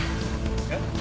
えっ？